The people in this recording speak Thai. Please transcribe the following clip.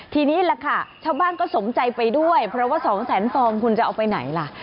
ทีนี้แหละค่ะชาวบ้านก็สมใจไปด้วยเพราะว่า๒แสนฟองคุณจะเอาไปไหนล่ะ